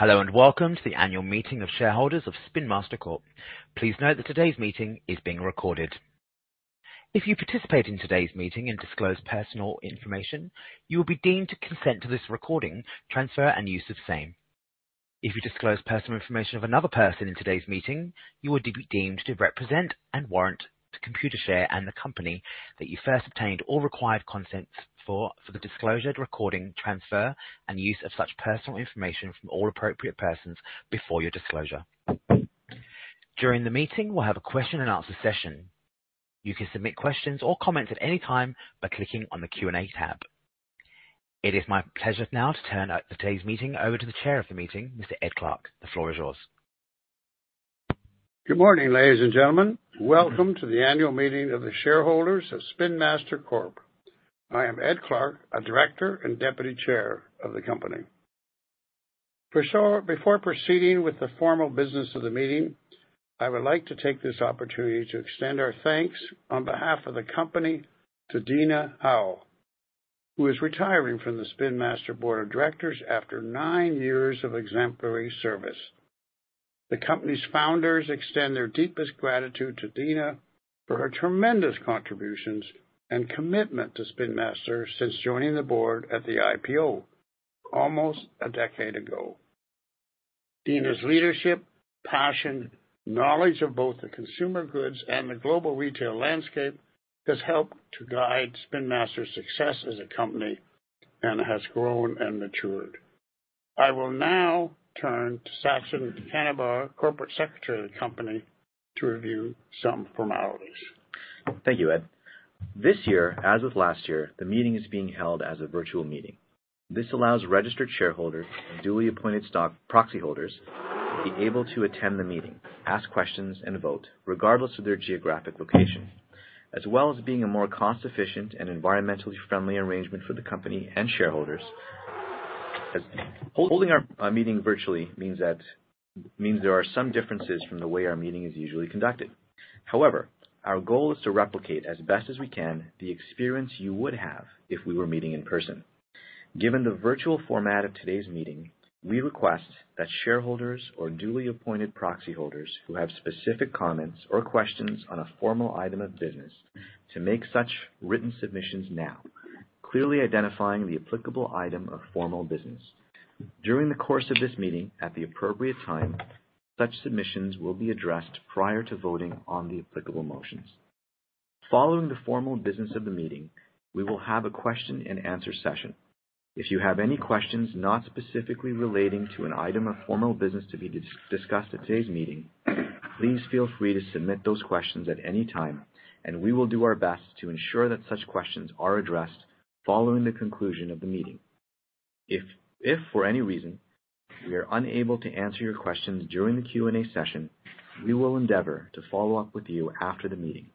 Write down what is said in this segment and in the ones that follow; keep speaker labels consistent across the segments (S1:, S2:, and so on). S1: Hello and welcome to the annual meeting of shareholders of Spin Master Corp. Please note that today's meeting is being recorded. If you participate in today's meeting and disclose personal information, you will be deemed to consent to this recording, transfer, and use of same. If you disclose personal information of another person in today's meeting, you will be deemed to represent and warrant to Computershare and the company that you first obtained all required consents for the disclosure, recording, transfer, and use of such personal information from all appropriate persons before your disclosure. During the meeting, we'll have a question and answer session. You can submit questions or comments at any time by clicking on the Q and A tab. It is my pleasure now to turn today's meeting over to the Chair of the meeting, Mr. Ed Clark. The floor is yours.
S2: Good morning, ladies and gentlemen. Welcome to the annual meeting of the shareholders of Spin Master Corp. I am Ed Clark, a Director and Deputy Chair of the company. Before proceeding with the formal business of the meeting, I would like to take this opportunity to extend our thanks on behalf of the company to Dina Howell, who is retiring from the Spin Master Board of Directors after nine years of exemplary service. The company's founders extend their deepest gratitude to Dina for her tremendous contributions and commitment to Spin Master since joining the Board at the IPO almost a decade ago. Dina's leadership, passion, knowledge of both the consumer goods and the global retail landscape has helped to guide Spin Master's success as a company, and it has grown and matured. I will now turn to Sachin Kanabar, Corporate Secretary of the company, to review some formalities.
S3: Thank you, Ed. This year, as with last year, the meeting is being held as a virtual meeting. This allows registered shareholders and duly appointed stock proxy holders to be able to attend the meeting, ask questions, and vote regardless of their geographic location, as well as being a more cost-efficient and environmentally friendly arrangement for the company and shareholders. Holding our meeting virtually means there are some differences from the way our meeting is usually conducted. However, our goal is to replicate as best as we can the experience you would have if we were meeting in person. Given the virtual format of today's meeting, we request that shareholders or duly appointed proxy holders who have specific comments or questions on a formal item of business to make such written submissions now, clearly identifying the applicable item of formal business. During the course of this meeting, at the appropriate time, such submissions will be addressed prior to voting on the applicable motions. Following the formal business of the meeting, we will have a question and answer session. If you have any questions not specifically relating to an item of formal business to be discussed at today's meeting, please feel free to submit those questions at any time, and we will do our best to ensure that such questions are addressed following the conclusion of the meeting. If for any reason we are unable to answer your questions during the Q and A session, we will endeavor to follow up with you after the meeting.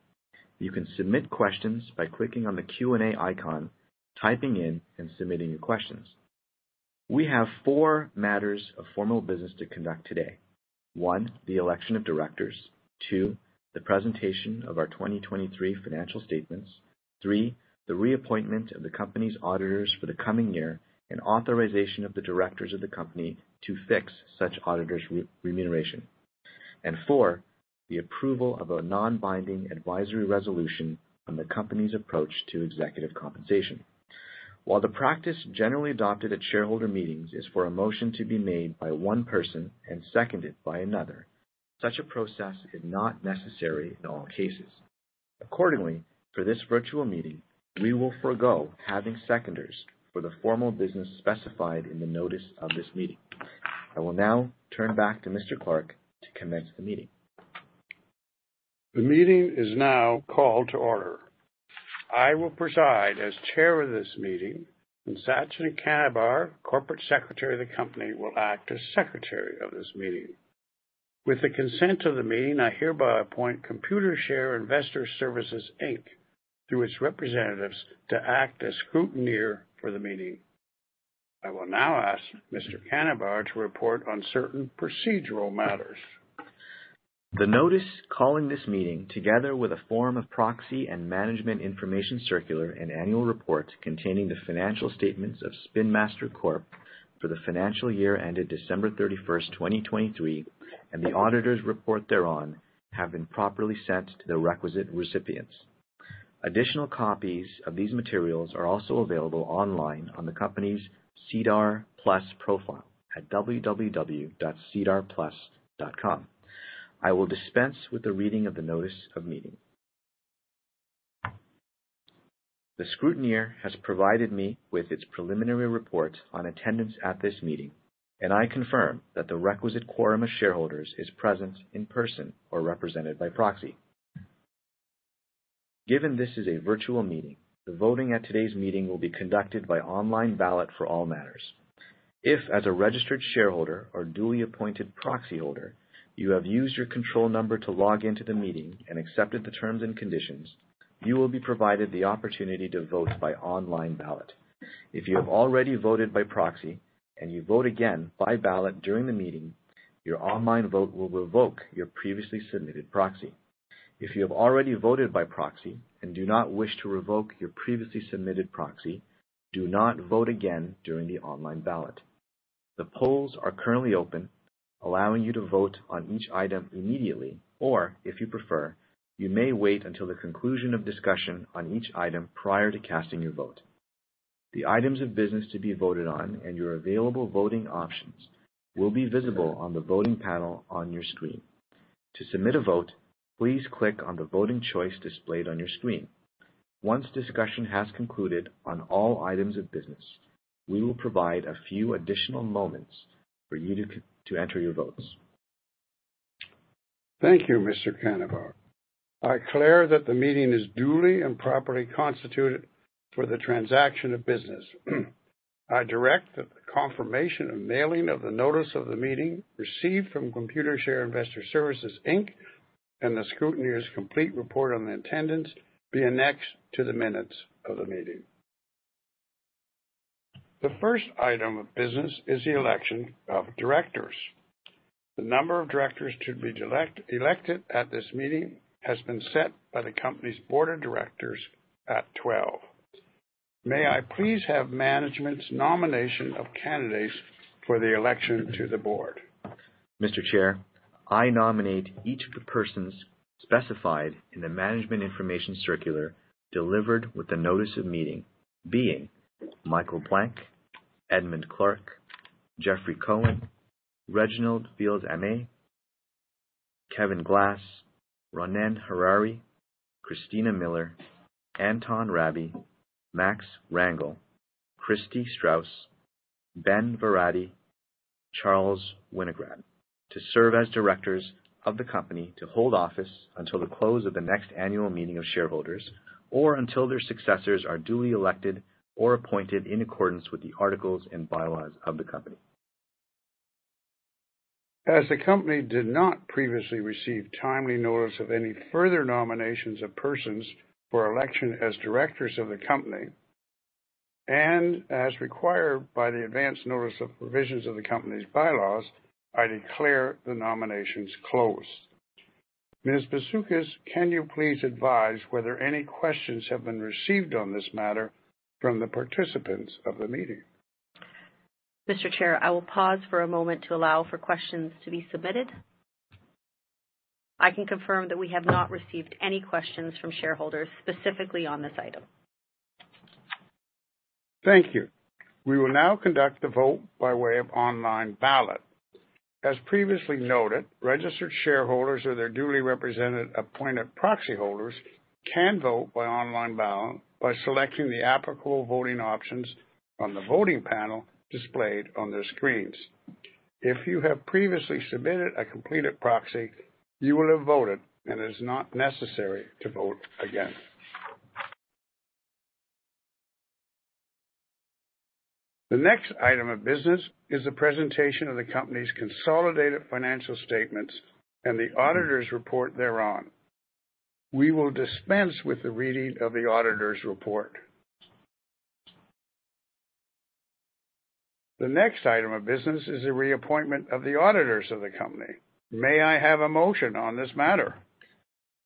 S3: You can submit questions by clicking on the Q and A icon, typing in, and submitting your questions. We have four matters of formal business to conduct today. One, the election of directors. Two, the presentation of our 2023 financial statements. Three, the reappointment of the company's auditors for the coming year and authorization of the Directors of the company to fix such auditors' remuneration. Four, the approval of a non-binding advisory resolution on the company's approach to executive compensation. While the practice generally adopted at shareholder meetings is for a motion to be made by one person and seconded by another, such a process is not necessary in all cases. Accordingly, for this virtual meeting, we will forego having seconders for the formal business specified in the notice of this meeting. I will now turn back to Mr. Clark to commence the meeting.
S2: The meeting is now called to order. I will preside as chair of this meeting, and Sachin Kanabar, Corporate Secretary of the company, will act as secretary of this meeting. With the consent of the meeting, I hereby appoint Computershare Investor Services, Inc, through its representatives, to act as scrutineer for the meeting. I will now ask Mr. Kanabar to report on certain procedural matters.
S3: The notice calling this meeting, together with a form of proxy and management information circular and annual report containing the financial statements of Spin Master Corp for the financial year ended December 31st, 2023, and the auditor's report thereon have been properly sent to the requisite recipients. Additional copies of these materials are also available online on the company's SEDAR+ profile at www.sedarplus.ca. I will dispense with the reading of the notice of meeting. The scrutineer has provided me with its preliminary report on attendance at this meeting, and I confirm that the requisite quorum of shareholders is present in person or represented by proxy. Given this is a virtual meeting, the voting at today's meeting will be conducted by online ballot for all matters. If, as a registered shareholder or duly appointed proxy holder, you have used your control number to log into the meeting and accepted the terms and conditions, you will be provided the opportunity to vote by online ballot. If you have already voted by proxy and you vote again by ballot during the meeting. Your online vote will revoke your previously submitted proxy. If you have already voted by proxy and do not wish to revoke your previously submitted proxy, do not vote again during the online ballot. The polls are currently open, allowing you to vote on each item immediately, or if you prefer, you may wait until the conclusion of discussion on each item prior to casting your vote. The items of business to be voted on and your available voting options will be visible on the voting panel on your screen. To submit a vote, please click on the voting choice displayed on your screen. Once discussion has concluded on all items of business, we will provide a few additional moments for you to enter your votes.
S2: Thank you, Mr. Kanabar. I declare that the meeting is duly and properly constituted for the transaction of business. I direct that the confirmation of mailing of the notice of the meeting received from Computershare Investor Services, Inc and the scrutineer's complete report on the attendance be annexed to the minutes of the meeting. The first item of business is the election of Directors. The number of Directors to be elected at this meeting has been set by the company's Board of Directors at 12. May I please have management's nomination of candidates for the election to the Board?
S3: Mr. Chair, I nominate each of the persons specified in the management information circular delivered with the notice of meeting, being Michael Blank, Edmund Clark, Jeffrey Cohen, Reginald Fils-Aimé, Kevin Glass, Ronnen Harary, Christina Miller, Anton Rabie, Max Rangel, Christi Strauss, Ben Varadi, Charles Winograd, to serve as Directors of the company to hold office until the close of the next annual meeting of shareholders, or until their successors are duly elected or appointed in accordance with the articles and bylaws of the company.
S2: As the company did not previously receive timely notice of any further nominations of persons for election as Directors of the company, and as required by the advance notice of provisions of the company's bylaws, I declare the nominations closed. Ms. Bisoukis, can you please advise whether any questions have been received on this matter from the participants of the meeting?
S4: Mr. Chair, I will pause for a moment to allow for questions to be submitted. I can confirm that we have not received any questions from shareholders specifically on this item.
S2: Thank you. We will now conduct the vote by way of online ballot. As previously noted, registered shareholders or their duly represented appointed proxy holders can vote by online ballot by selecting the applicable voting options on the voting panel displayed on their screens. If you have previously submitted a completed proxy, you will have voted and it is not necessary to vote again. The next item of business is the presentation of the company's consolidated financial statements and the auditors' report thereon. We will dispense with the reading of the auditors' report. The next item of business is the reappointment of the auditors of the company. May I have a motion on this matter?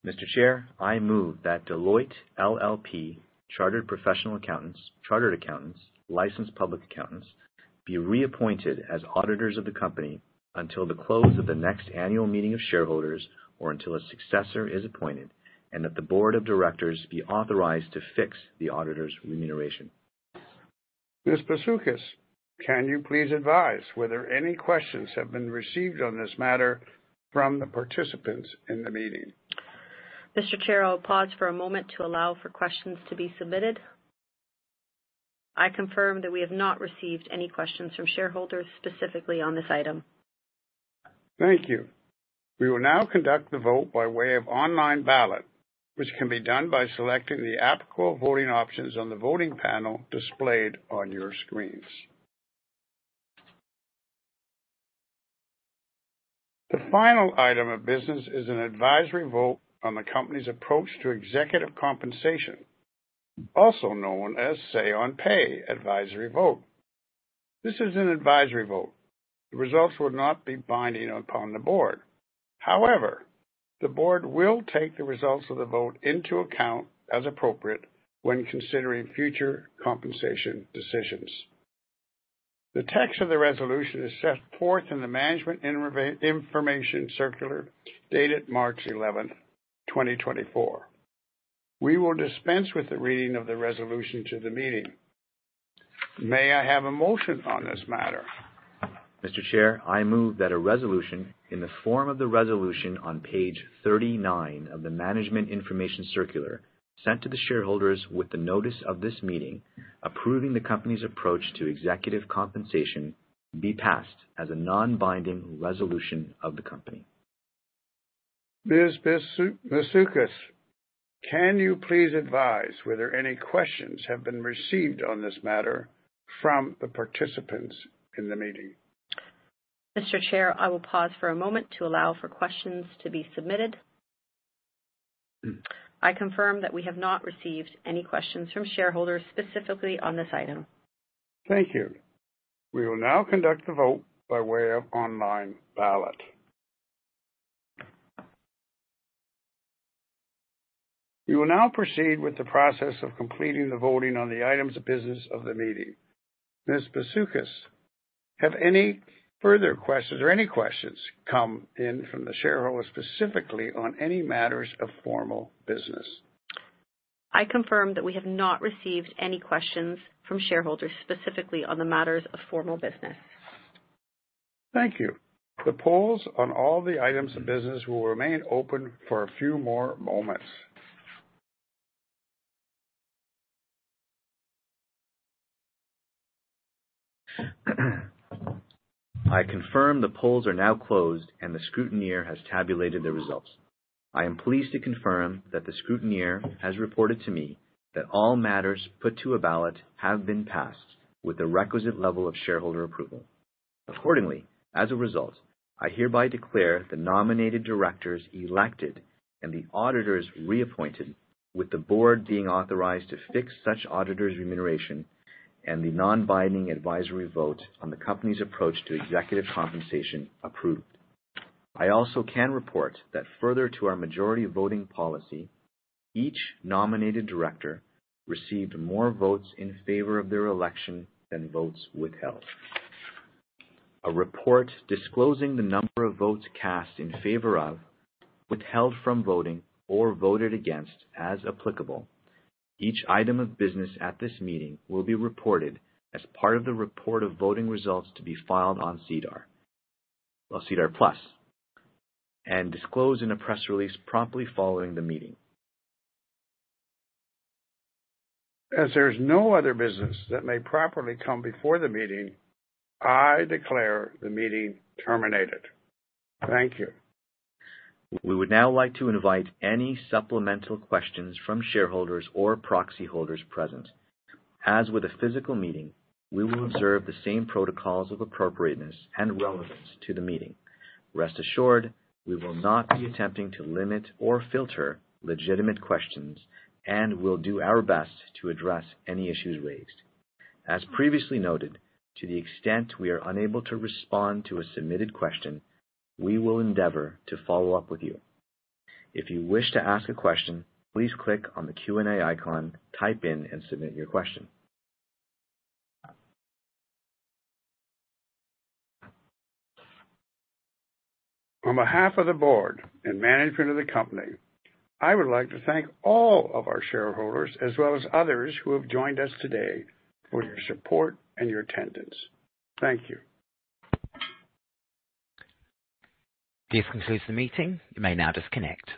S3: Mr. Chair, I move that Deloitte LLP, chartered professional accountants, chartered accountants, licensed public accountants, be reappointed as auditors of the company until the close of the next annual meeting of shareholders, or until a successor is appointed, and that the Board of Directors be authorized to fix the auditors' remuneration.
S2: Ms. Bisoukis, can you please advise whether any questions have been received on this matter from the participants in the meeting?
S4: Mr. Chair, I will pause for a moment to allow for questions to be submitted. I confirm that we have not received any questions from shareholders specifically on this item.
S2: Thank you. We will now conduct the vote by way of online ballot, which can be done by selecting the applicable voting options on the voting panel displayed on your screens. The final item of business is an advisory vote on the company's approach to executive compensation, also known as say on pay advisory vote. This is an advisory vote. The results will not be binding upon the Board. However, the Board will take the results of the vote into account as appropriate when considering future compensation decisions. The text of the resolution is set forth in the Management Information Circular, dated March 11, 2024. We will dispense with the reading of the resolution to the meeting. May I have a motion on this matter?
S3: Mr. Chair, I move that a resolution in the form of the resolution on page 39 of the Management Information Circular sent to the shareholders with the notice of this meeting approving the company's approach to executive compensation be passed as a non-binding resolution of the company.
S2: Ms. Bisoukis, can you please advise whether any questions have been received on this matter from the participants in the meeting?
S4: Mr. Chair, I will pause for a moment to allow for questions to be submitted. I confirm that we have not received any questions from shareholders specifically on this item.
S2: Thank you. We will now conduct the vote by way of online ballot. We will now proceed with the process of completing the voting on the items of business of the meeting. Ms. Bisoukis, have any further questions or any questions come in from the shareholders specifically on any matters of formal business?
S4: I confirm that we have not received any questions from shareholders specifically on the matters of formal business.
S2: Thank you. The polls on all the items of business will remain open for a few more moments.
S3: I confirm the polls are now closed, and the scrutineer has tabulated the results. I am pleased to confirm that the scrutineer has reported to me that all matters put to a ballot have been passed with the requisite level of shareholder approval. Accordingly, as a result, I hereby declare the nominated Directors elected and the auditors reappointed with the Board being authorized to fix such auditors remuneration and the non-binding advisory vote on the company's approach to executive compensation approved. I also can report that further to our majority voting policy, each nominated Director received more votes in favor of their election than votes withheld. A report disclosing the number of votes cast in favor of, withheld from voting, or voted against, as applicable. Each item of business at this meeting will be reported as part of the report of voting results to be filed on SEDAR, well, SEDAR+, and disclosed in a press release promptly following the meeting.
S2: As there's no other business that may properly come before the meeting, I declare the meeting terminated. Thank you.
S3: We would now like to invite any supplemental questions from shareholders or proxy holders present. As with a physical meeting, we will observe the same protocols of appropriateness and relevance to the meeting. Rest assured, we will not be attempting to limit or filter legitimate questions and will do our best to address any issues raised. As previously noted, to the extent we are unable to respond to a submitted question, we will endeavor to follow up with you. If you wish to ask a question, please click on the Q and A icon, type in and submit your question.
S2: On behalf of the Board and management of the company, I would like to thank all of our shareholders as well as others who have joined us today for your support and your attendance. Thank you.
S1: This concludes the meeting. You may now disconnect.